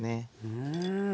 うん。